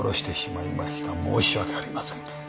「申し訳ありません。